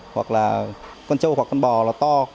hoặc là con trâu hoặc con bò nó to